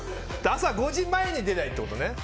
朝５時前に出ればいいってことね。